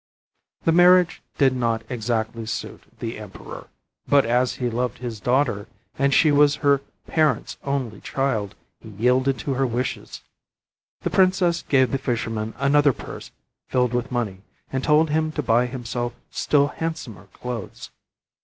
The marriage did not exactly suit the emperor, but as he loved his daughter and she was her parents' only child, he yielded to her wishes. The princess gave the fisherman another purse filled with money, and told him to buy himself still handsomer clothes.